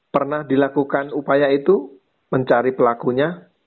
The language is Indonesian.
pernah dilakukan upaya itu mencari pelakunya